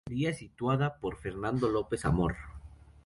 Sería sustituida por Fernando López-Amor.